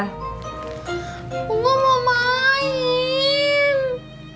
gua mau main